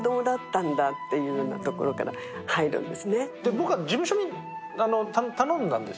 僕は事務所に頼んだんです。